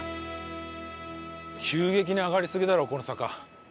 急激に上がりすぎだろこの坂。